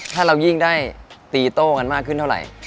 ถ้าเรายิ่งได้ตีโต้กันมากขึ้นเท่าไหร่